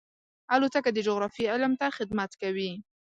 الوتکه د جغرافیې علم ته خدمت کوي.